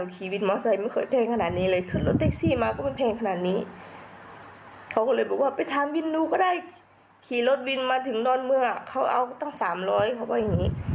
ขี่รถบินมาถึงด้อนเมื่อเขาเอาตั้ง๓๐๐เขาบอกอย่างนี้